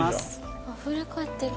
あふれ返ってる。